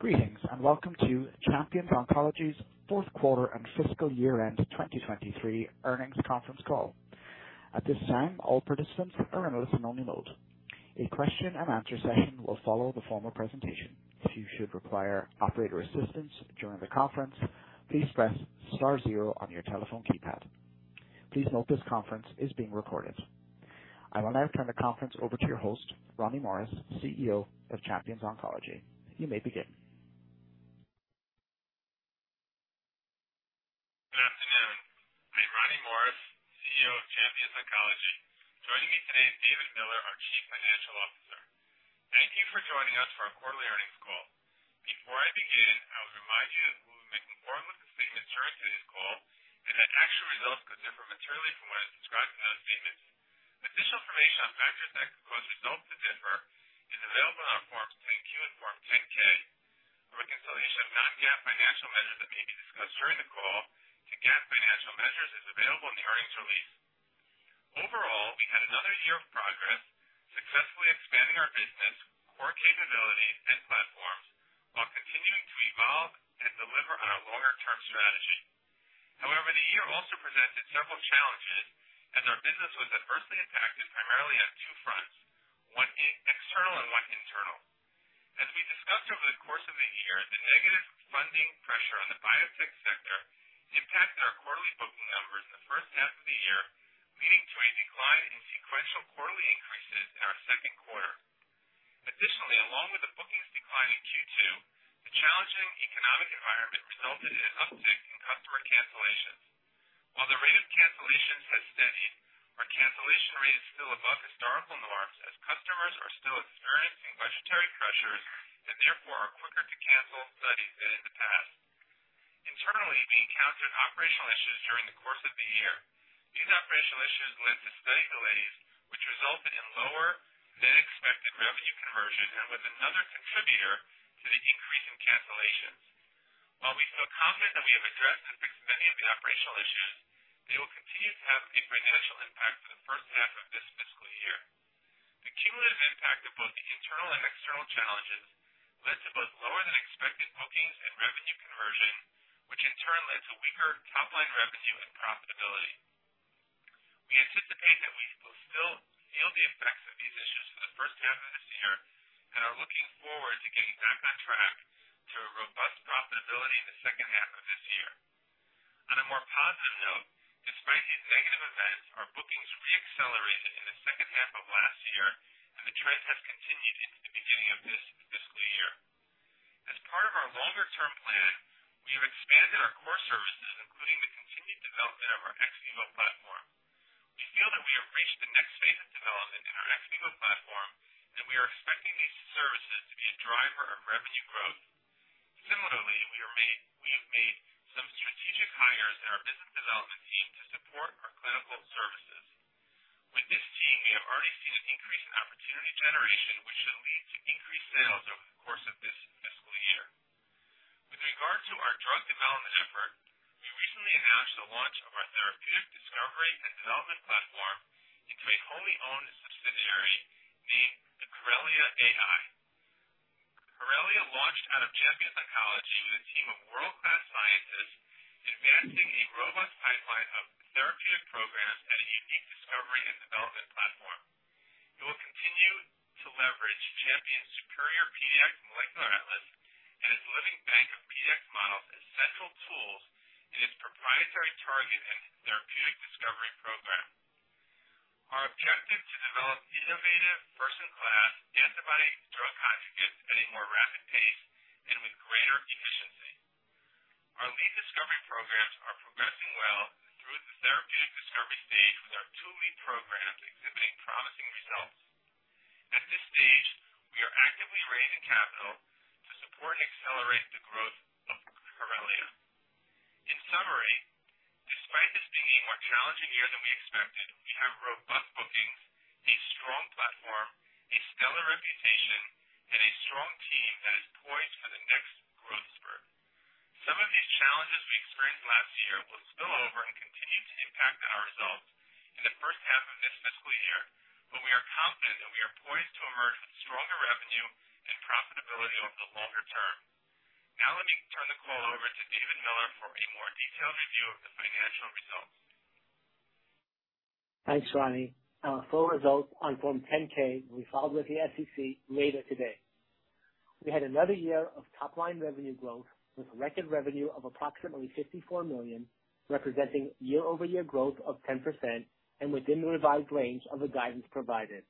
Greetings, welcome to Champions Oncology's Fourth Quarter and Fiscal Year-End 2023 Earnings Conference Call. At this time, all participants are in a listen-only mode. A question and answer session will follow the formal presentation. If you should require operator assistance during the conference, please press star zero on your telephone keypad. Please note this conference is being recorded. I will now turn the conference over to your host, Ronnie Morris, CEO of Champions Oncology. You may begin. Good afternoon. I'm Ronnie Morris, CEO of Champions Oncology. Joining me today is David Miller, our Chief Financial Officer. Thank you for joining us for our quarterly earnings call. Before I begin, I would remind you that we'll be making forward-looking statements during today's call, and that actual results could differ materially from what is described in those statements. Additional information on factors that could cause results to differ is available on Forms 10-Q and Form 10-K. A reconciliation of non-GAAP financial measures that may be discussed during the call to GAAP financial measures is available in the earnings release. Overall, we had another year of progress, successfully expanding our business, core capabilities, and platforms, while continuing to evolve and deliver on our longer-term strategy. However, the year also presented several challenges as our business was adversely impacted primarily on two fronts, one external and one internal. As we discussed over the course of the year, the negative funding pressure on the biotech sector impacted our quarterly booking numbers in the first half of the year, leading to a decline in sequential quarterly increases in our second quarter. Additionally, along with the bookings decline in Q2, the challenging economic environment resulted in an uptick in customer cancellations. While the rate of cancellations has steadied, our cancellation rate is still above historical norms as customers are still experiencing budgetary pressures and therefore are quicker to cancel studies than in the past. Internally, we encountered operational issues during the course of the year. These operational issues led to study delays, which resulted in lower-than-expected revenue conversion and was another contributor to the increase in cancellations. While we feel confident that we have addressed and fixed many of the operational issues, they will continue to have a financial impact for the first half of this fiscal year. The cumulative impact of both the internal and external challenges led to both lower-than-expected bookings and revenue conversion, which in turn led to weaker top-line revenue and profitability. We anticipate that we will still feel the effects of these issues for the first half of this year and are looking forward to getting back on track to a robust profitability in the second half of this year. On a more positive note, despite these negative events, our bookings re-accelerated in the second half of last year, and the trend has continued into the beginning of this fiscal year. As part of our longer-term plan, we have expanded our core services, including the continued development of our ex vivo platform. We feel that we have reached the next phase of development in our ex vivo platform. We are expecting these services to be a driver of revenue growth. Similarly, we have made some strategic hires in our business development team to support our clinical services. With this team, we have already seen an increase in opportunity generation, which should lead to increased sales over the course of this fiscal year. With regard to our drug development effort, we recently announced the launch of our therapeutic discovery and development platform into a wholly-owned subsidiary named the Corellia AI. Corellia launched out of Champions Oncology with a team of world-class scientists advancing a robust pipeline of therapeutic programs and a unique discovery and development platform. It will continue to leverage Champions' superior Pediatric Molecular Atlas and its living bank of PDX models as central tools in its proprietary targeted therapeutic discovery program. Our objective to develop innovative, first-in-class antibody-drug conjugates at a more rapid pace and with greater efficiency. Our lead discovery programs are progressing well through the therapeutic discovery stage, with our two lead programs exhibiting promising results. At this stage, we are actively raising capital to support and accelerate the growth of Corellia. In summary, despite this being a more challenging year than we expected, we have robust bookings, a strong platform, a stellar reputation, and a strong team that is poised for the next growth spurt. Some of these challenges we experienced last year will spill over and continue to impact on our results in the first half of this fiscal year, but we are confident that we are poised to emerge with stronger revenue and profitability over the longer term. Let me turn the call over to David Miller for a more detailed review of the financial results. Thanks, Ronnie. Our full results on Form 10-K will be filed with the SEC later today. We had another year of top-line revenue growth, with record revenue of approximately $54 million, representing year-over-year growth of 10% and within the revised range of the guidance provided.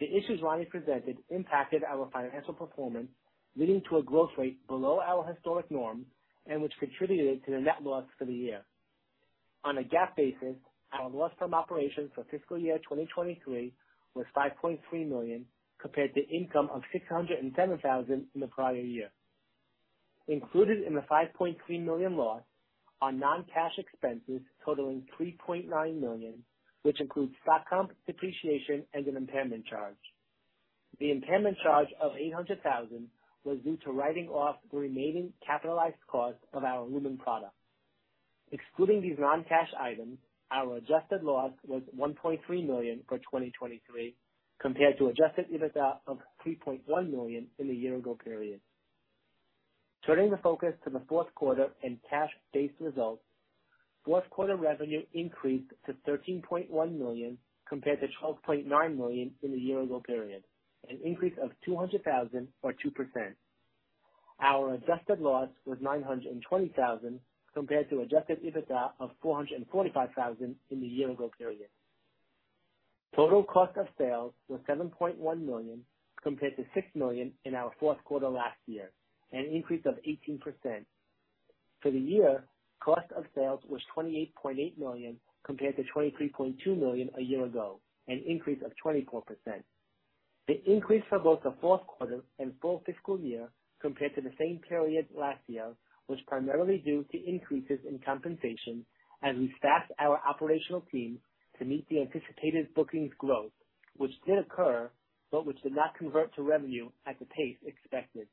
The issues Ronnie presented impacted our financial performance, leading to a growth rate below our historic norm and which contributed to the net loss for the year. On a GAAP basis, our loss from operations for fiscal year 2023 was $5.3 million, compared to income of $607,000 in the prior year. Included in the $5.3 million loss are non-cash expenses totaling $3.9 million, which includes stock comp, depreciation and an impairment charge. The impairment charge of $800,000 was due to writing off the remaining capitalized cost of our Lumin product. Excluding these non-cash items, our adjusted loss was $1.3 million for 2023, compared to adjusted EBITDA of $3.1 million in the year-ago period. Turning the focus to the fourth quarter and cash-based results, fourth quarter revenue increased to $13.1 million compared to $12.9 million in the year-ago period, an increase of $200,000 or 2%. Our adjusted loss was $920,000, compared to adjusted EBITDA of $445,000 in the year-ago period. Total cost of sales was $7.1 million, compared to $6 million in our fourth quarter last year, an increase of 18%. For the year, cost of sales was $28.8 million, compared to $23.2 million a year ago, an increase of 24%. The increase for both the fourth quarter and full fiscal year compared to the same period last year, was primarily due to increases in compensation as we staffed our operational team to meet the anticipated bookings growth, which did occur, but which did not convert to revenue at the pace expected.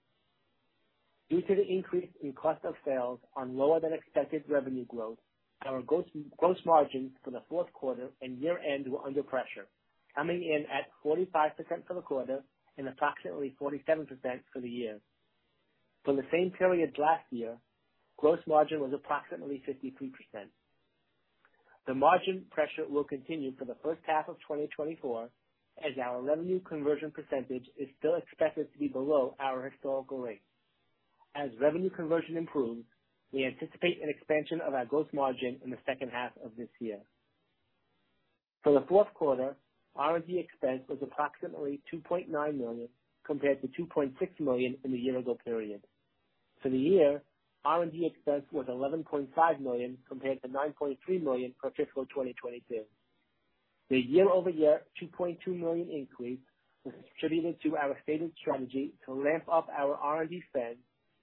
Due to the increase in cost of sales on lower-than-expected revenue growth, our gross margins for the fourth quarter and year-end were under pressure, coming in at 45% for the quarter and approximately 47% for the year. For the same period last year, gross margin was approximately 53%. The margin pressure will continue for the first half of 2024, as our revenue conversion percentage is still expected to be below our historical rate. As revenue conversion improves, we anticipate an expansion of our gross margin in the second half of this year. For the fourth quarter, R&D expense was approximately $2.9 million, compared to $2.6 million in the year-ago period. For the year, R&D expense was $11.5 million, compared to $9.3 million for fiscal 2022. The year-over-year $2.2 million increase was attributed to our stated strategy to ramp up our R&D spend,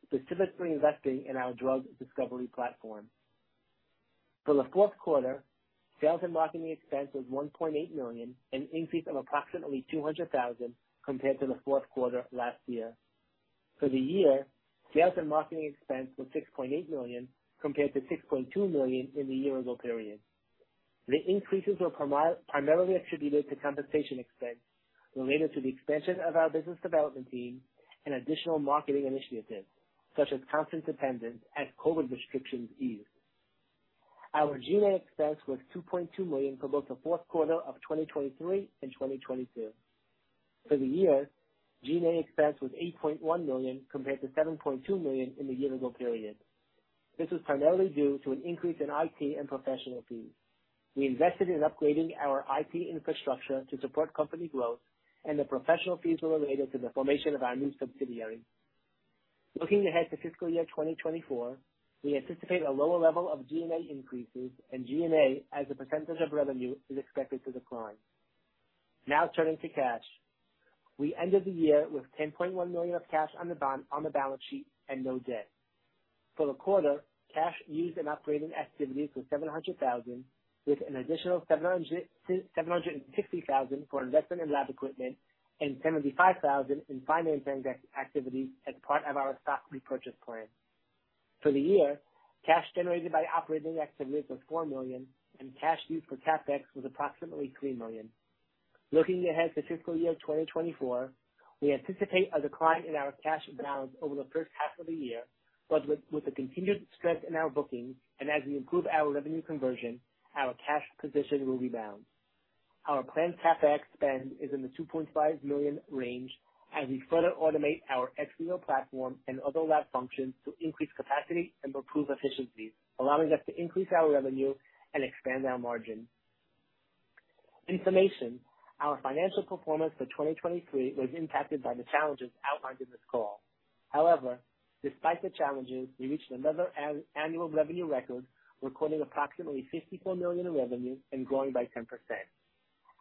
specifically investing in our drug discovery platform. For the fourth quarter, sales and marketing expense was $1.8 million, an increase of approximately $200,000 compared to the fourth quarter last year. For the year, sales and marketing expense was $6.8 million, compared to $6.2 million in the year-ago period. The increases were primarily attributed to compensation expense related to the expansion of our business development team and additional marketing initiatives, such as conference attendance, as COVID restrictions eased. Our G&A expense was $2.2 million for both the fourth quarter of 2023 and 2022. For the year, G&A expense was $8.1 million, compared to $7.2 million in the year-ago period. This was primarily due to an increase in IT and professional fees. We invested in upgrading our IT infrastructure to support company growth, and the professional fees were related to the formation of our new subsidiary. Looking ahead to fiscal year 2024, we anticipate a lower level of G&A increases, and G&A as a percentage of revenue, is expected to decline. Now turning to cash. We ended the year with $10.1 million of cash on the balance sheet and no debt. For the quarter, cash used in operating activities was $700,000, with an additional $760,000 for investment in lab equipment and $75,000 in financing activity as part of our stock repurchase plan. For the year, cash generated by operating activities was $4 million, cash used for CapEx was approximately $3 million. Looking ahead to fiscal year 2024, we anticipate a decline in our cash balance over the first half of the year, with the continued strength in our bookings and as we improve our revenue conversion, our cash position will rebound. Our planned CapEx spend is in the $2.5 million range as we further automate our ex vivo platform and other lab functions to increase capacity and improve efficiencies, allowing us to increase our revenue and expand our margin. In summation, our financial performance for 2023 was impacted by the challenges outlined in this call. However, despite the challenges, we reached another annual revenue record, recording approximately $54 million in revenue and growing by 10%.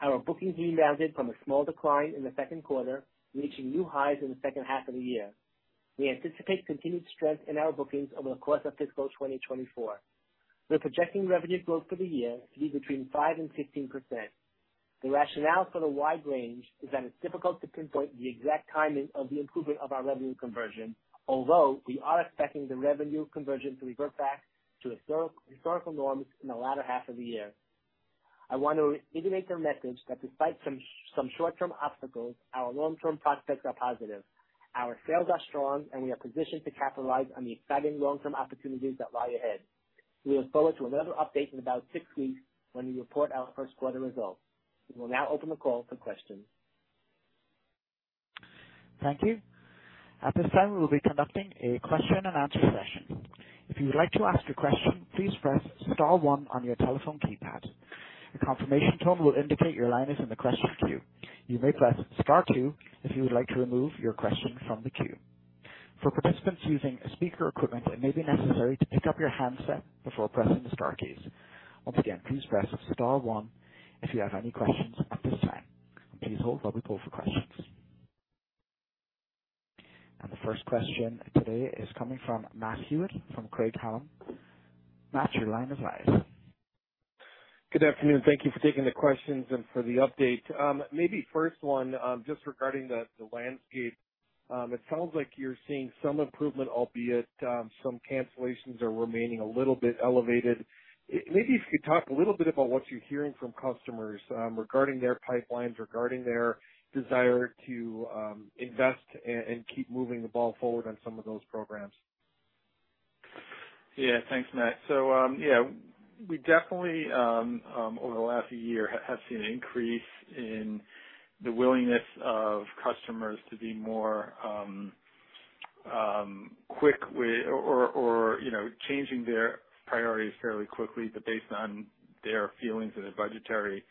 Our bookings rebounded from a small decline in the second quarter, reaching new highs in the second half of the year. We anticipate continued strength in our bookings over the course of fiscal 2024. We're projecting revenue growth for the year to be between 5% and 15%. The rationale for the wide range is that it's difficult to pinpoint the exact timing of the improvement of our revenue conversion, although we are expecting the revenue conversion to revert back to historical norms in the latter half of the year. I want to reiterate the message that despite some short-term obstacles, our long-term prospects are positive. Our sales are strong, and we are positioned to capitalize on the exciting long-term opportunities that lie ahead. We look forward to another update in about six weeks, when we report our first quarter results. We will now open the call for questions. Thank you. At this time, we will be conducting a question-and-answer session. If you would like to ask a question, please press star one on your telephone keypad. A confirmation tone will indicate your line is in the question queue. You may press star two if you would like to remove your question from the queue. For participants using speaker equipment it may be necessary to pick up your handset before pressing the star keys. Once again, please press star one if you have any questions at this time. Please hold while we pull for questions. The first question today is coming from Matthew from Craig-Hallum. Matt your line is live. Good afternoon. Thank you for taking the questions and for the update. Maybe first one, just regarding the landscape. It sounds like you're seeing some improvement, albeit, some cancellations are remaining a little bit elevated. Maybe if you could talk a little bit about what you're hearing from customers, regarding their pipelines, regarding their desire to invest, and keep moving the ball forward on some of those programs. Yeah, thanks, Matt. Yeah, we definitely over the last year, have seen an increase in the willingness of customers to be more quick with or, you know, changing their priorities fairly quickly, but based on their feelings and their budgetary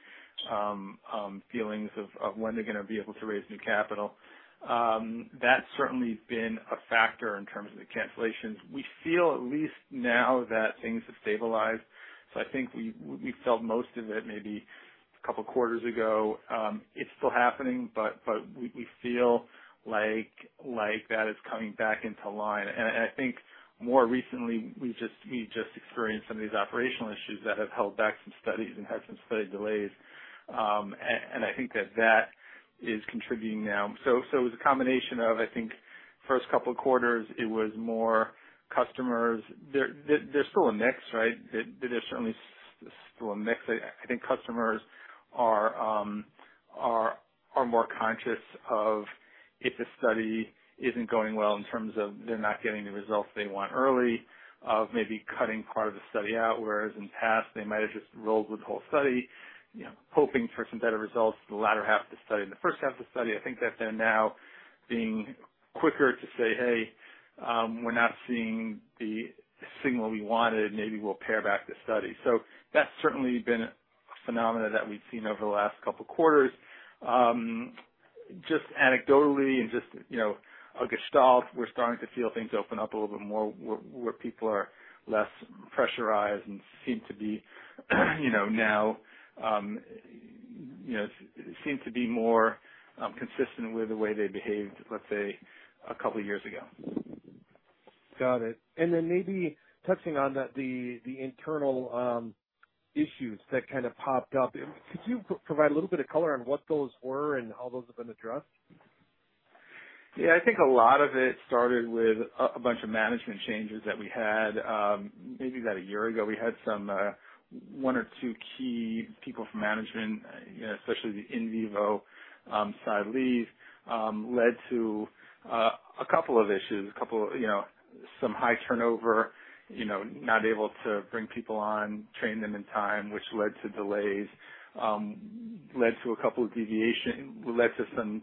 feelings of when they're gonna be able to raise new capital. That's certainly been a factor in terms of the cancellations. We feel at least now that things have stabilized. I think we felt most of it maybe a couple quarters ago. It's still happening, but we feel like that is coming back into line. I think more recently we just experienced some of these operational issues that have held back some studies and had some study delays. I think that that is contributing now. It was a combination of I think first two quarters, it was more customers. There's still a mix, right? There's certainly still a mix. I think customers are more conscious of if a study isn't going well in terms of they're not getting the results they want early, of maybe cutting part of the study out, whereas in past, they might have just rolled with the whole study you know, hoping for some better results in the latter half of the study. In the first half of the study, I think they've been now being quicker to say, "Hey, we're not seeing the signal we wanted. Maybe we'll pare back the study." That's certainly been a phenomena that we've seen over the last two quarters. just anecdotally and just, you know, a gestalt, we're starting to feel things open up a little bit more where people are less pressurized and seem to be, you know, now, you know, seem to be more consistent with the way they behaved let's say, a couple years ago. Got it. Maybe touching on the internal issues that kind of popped up, could you provide a little bit of color on what those were and how those have been addressed? I think a lot of it started with a bunch of management changes that we had maybe about a year ago. We had some one or two key people from management, especially the in vivo side leave, led to a couple of issues, you know, some high turnover, you know, not able to bring people on, train them in time, which led to delays, led to some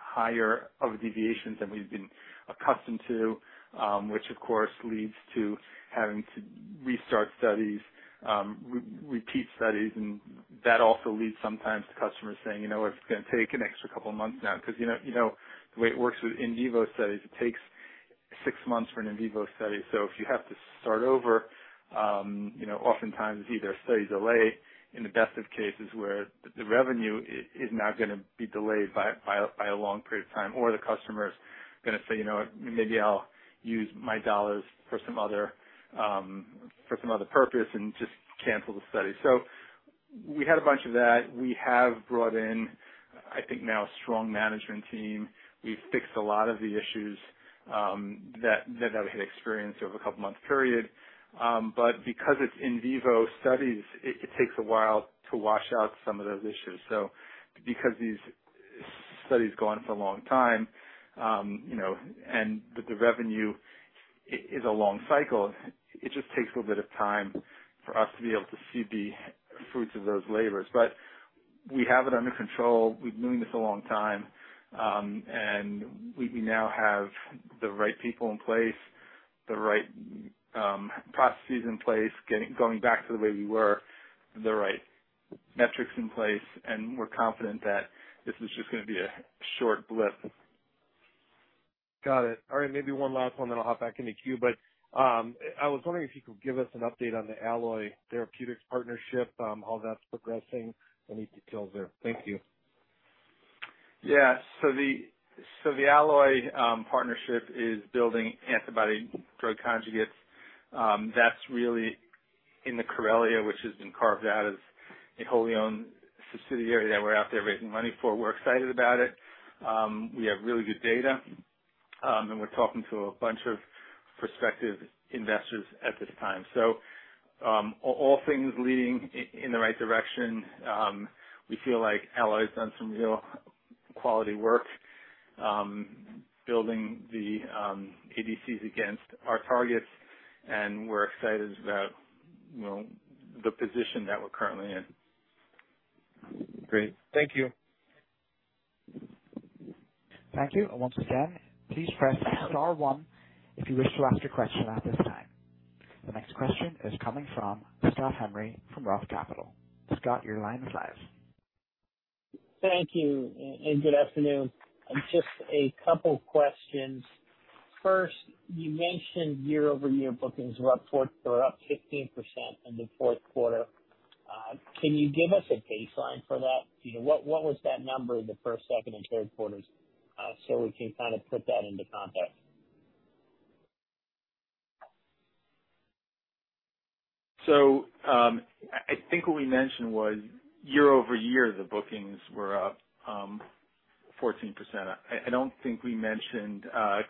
higher of deviations than we've been accustomed to, which of course, leads to having to restart studies, repeat studies, That also leads sometimes to customers saying, "You know, it's gonna take an extra couple of months now." You know, the way it works with in vivo studies, it takes six months for an in vivo study. If you have to start over, you know, oftentimes either studies delay in the best of cases, where the revenue is now going to be delayed by a long period of time or the customer is going to say, "You know what? Maybe I'll use my dollars for some other, for some other purpose and just cancel the study." We had a bunch of that. We have brought in I think now, a strong management team. We've fixed a lot of the issues that we had experienced over a couple month period. Because it's in vivo studies, it takes a while to wash out some of those issues. Because these studies go on for a long time, you know, and the revenue is a long cycle, it just takes a little bit of time for us to be able to see the fruits of those labors. We have it under control. We've been doing this a long time, and we now have the right people in place, the right processes in place, going back to the way we were, the right metrics in place, and we're confident that this is just gonna be a short blip. Got it. All right maybe one last one then I'll hop back in the queue. I was wondering if you could give us an update on the Alloy Therapeutics partnership, how that's progressing. Any details there? Thank you. The Alloy partnership is building antibody-drug conjugates. That's really in Corellia, which has been carved out as a wholly owned subsidiary that we're out there raising money for. We're excited about it. We have really good data, and we're talking to a bunch of prospective investors at this time. All things leading in the right direction. We feel like Alloy's done some real quality work, building the ADCs against our targets, and we're excited about, you know, the position that we're currently in. Great. Thank you. Thank you. Once again, please press star one if you wish to ask a question at this time. The next question is coming from Scott Henry from ROTH Capital. Scott, your line is live. Thank you and good afternoon. Just a couple questions. First, you mentioned year-over-year bookings were up 15% in the fourth quarter. Can you give us a baseline for that? You know, what was that number in the first, second, and third quarters, so we can kind of put that into context? I think what we mentioned was year-over-year, the bookings were up 14%. I don't think we mentioned,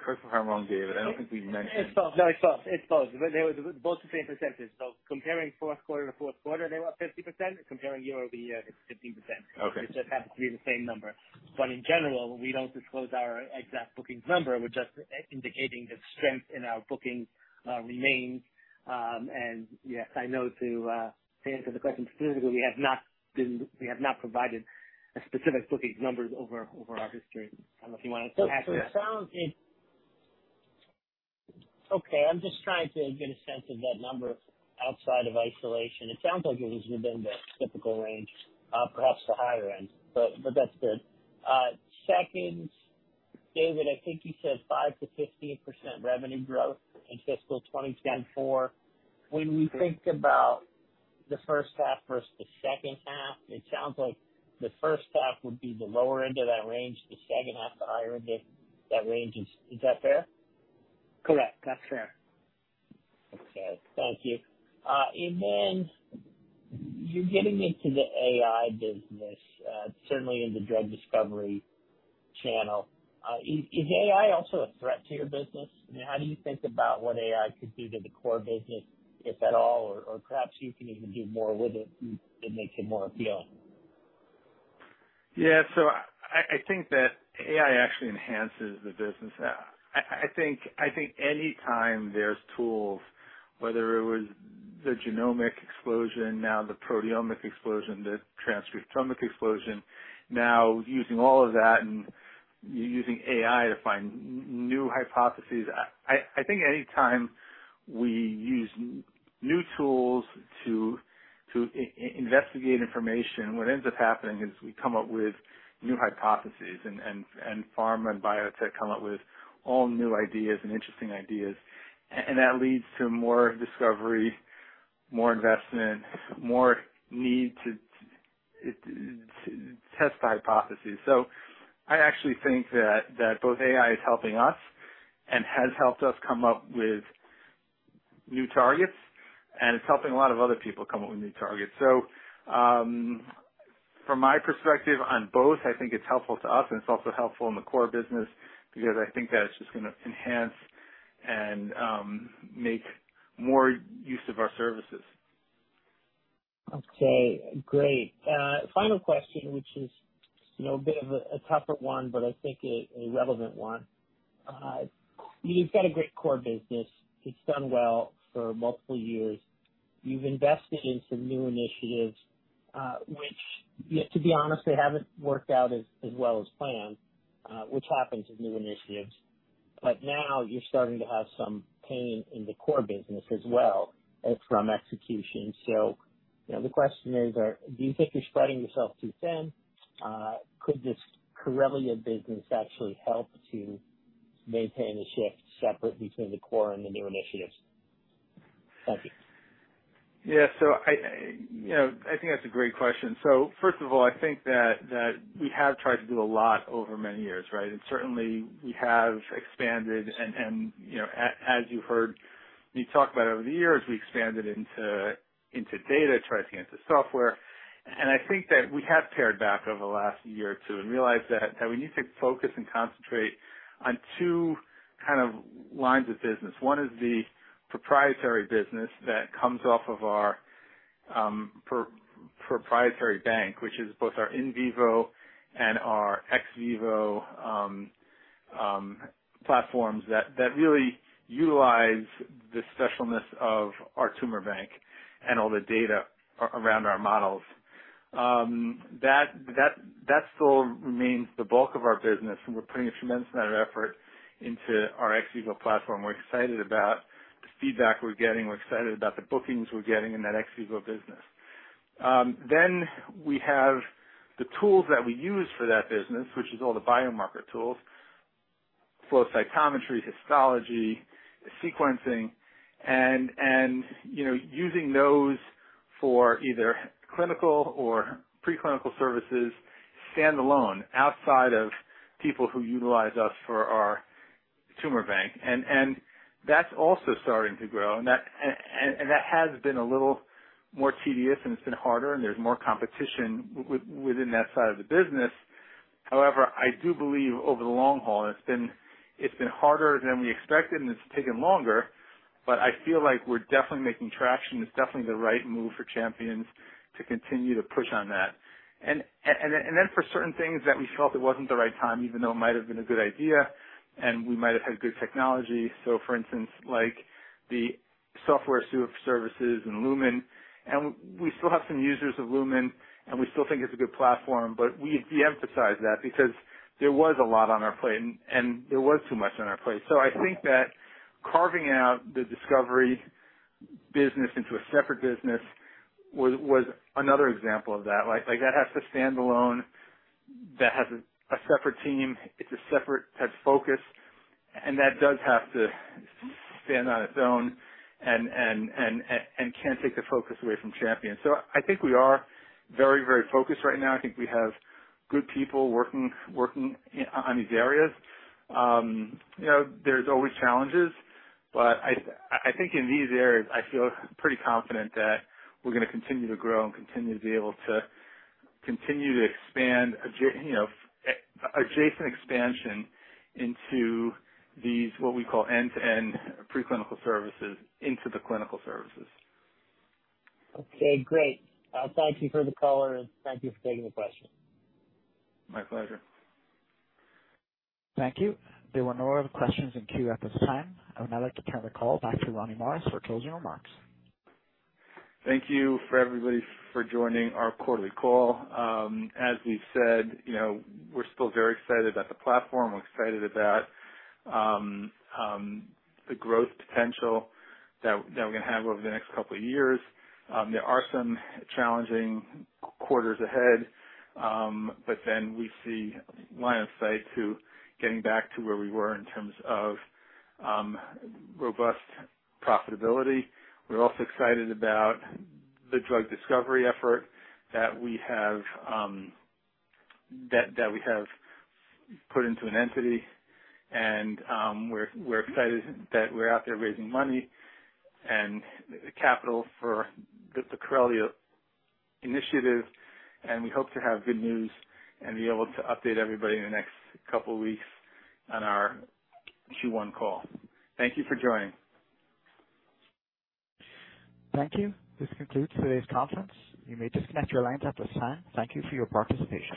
correct me if I'm wrong, David, I don't think we mentioned. It's both. No, it's both. They were both the same percentage. Comparing fourth quarter to fourth quarter, they were up 50%. Comparing year-over-year it's 15%. Okay. It just happens to be the same number. In general, we don't disclose our exact bookings number. We're just indicating the strength in our bookings remains. Yes, I know to answer the question specifically, we have not provided a specific bookings numbers over our history. I don't know if you wanna add to that. Okay, I'm just trying to get a sense of that number outside of isolation. It sounds like it was within the typical range, perhaps the higher end, but that's good. Second David, I think you said 5%-15% revenue growth in fiscal 2024. We think about the first half versus the second half, it sounds like the first half would be the lower end of that range, the second half, the higher end of that range. Is that fair? Correct. That's fair. Okay. Thank you. You're getting into the AI business, certainly in the drug discovery channel. Is AI also a threat to your business? I mean how do you think about what AI could do to the core business, if at all, or perhaps you can even do more with it, and it makes it more appealing? Yeah. I think that AI actually enhances the business. I think any time there's tools, whether it was the genomic explosion, now the proteomic explosion, the transcriptomic explosion, now using all of that and using AI to find new hypotheses. I think anytime we use new tools to investigate information what ends up happening is we come up with new hypotheses and pharma and biotech come up with all new ideas and interesting ideas, and that leads to more discovery, more investment, more need to test hypotheses. I actually think that both AI is helping us and has helped us come up with new targets, and it's helping a lot of other people come up with new targets. From my perspective on both, I think it's helpful to us and it's also helpful in the core business because I think that it's just gonna enhance and make more use of our services. Okay, great. final question which is, you know, a bit of a tougher one, but I think a relevant one. You've got a great core business. It's done well for multiple years. You've invested in some new initiatives, which yet, to be honest, they haven't worked out as well as planned, which happens with new initiatives. Now you're starting to have some pain in the core business as well from execution. You know, the question is, do you think you're spreading yourself too thin? Could this Corellia business actually help to maintain the shift separate between the core and the new initiatives? Thank you. Yeah. I, you know, I think that's a great question. First of all, I think that we have tried to do a lot over many years, right? Certainly we have expanded and, you know, as you've heard me talk about over the years, we expanded into data, tried to get into software. I think that we have pared back over the last year or two and realized that we need to focus and concentrate on two kind of lines of business. One is the proprietary business that comes off of our proprietary bank, which is both our in vivo and our ex vivo platforms that really utilize the specialness of our TumorBank and all the data around our models. That still remains the bulk of our business, and we're putting a tremendous amount of effort into our ex vivo platform. We're excited about the feedback we're getting. We're excited about the bookings we're getting in that ex vivo business. Then we have the tools that we use for that business, which is all the biomarker tools, flow cytometry, histology, sequencing, and, you know, using those for either clinical or preclinical services, stand alone, outside of people who utilize us for our TumorBank. That's also starting to grow. That has been a little more tedious, and it's been harder, and there's more competition within that side of the business. However, I do believe over the long haul, and it's been harder than we expected, and it's taken longer, but I feel like we're definitely making traction. It's definitely the right move for Champions to continue to push on that. Then for certain things that we felt it wasn't the right time, even though it might have been a good idea, and we might have had good technology. For instance, like the software services and Lumin, and we still have some users of Lumin, and we still think it's a good platform, but we de-emphasized that because there was a lot on our plate, and there was too much on our plate. I think that carving out the discovery business into a separate business was another example of that. Like, that has to stand alone. That has a separate team. It's a separate type of focus, and that does have to stand on its own and can't take the focus away from Champions. I think we are very, very focused right now. I think we have good people working on these areas. you know, there's always challenges, but I think in these areas, I feel pretty confident that we're gonna continue to grow and continue to be able to expand you know, adjacent expansion into these what we call end-to-end preclinical services into the clinical services. Okay, great. Thank you for the color, and thank you for taking the question. My pleasure. Thank you. There were no other questions in queue at this time. I would now like to turn the call back to Ronnie Morris for closing remarks. Thank you for everybody for joining our quarterly call. As we've said, you know, we're still very excited about the platform. We're excited about the growth potential that we're gonna have over the next couple of years. There are some challenging quarters ahead, but then we see line of sight to getting back to where we were in terms of robust profitability. We're also excited about the drug discovery effort that we have that we have put into an entity, and we're excited that we're out there raising money and the capital for the Corellia initiative, and we hope to have good news and be able to update everybody in the next couple of weeks on our Q1 call. Thank you for joining. Thank you. This concludes today's conference. You may disconnect your lines at this time. Thank you for your participation.